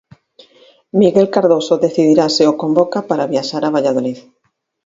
Miguel Cardoso decidirá se o convoca para viaxar a Valladolid.